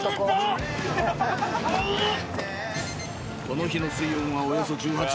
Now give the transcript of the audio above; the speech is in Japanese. ［この日の水温はおよそ１８℃］